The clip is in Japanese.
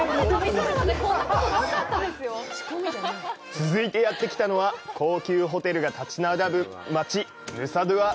続いてやってきたのは高級ホテルが立ち並ぶ街、ヌサドゥア。